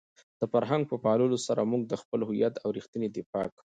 د فرهنګ په پاللو سره موږ د خپل هویت او رېښې دفاع کوو.